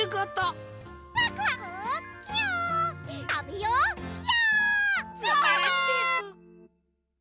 たべようよ！